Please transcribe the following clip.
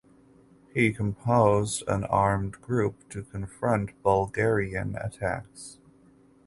He composed an armed group to confront Bulgarian attacks.